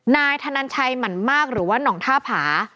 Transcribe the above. นายธนันชัยหมั่นมากหรือว่าหนองท่าผา